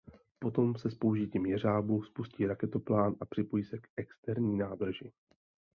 Potom se s použitím jeřábu spustí raketoplán a připojí se k externí nádrži.